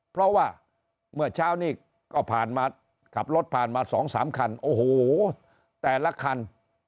เพราะว่าเมื่อเช้านี้ก็ผ่านมาขับรถผ่านมา๒๓คันโอ้โหแต่ละคัน